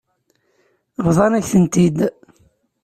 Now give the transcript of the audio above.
Bḍan-ak-tent-id.